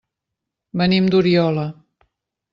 Venim d'Oriola.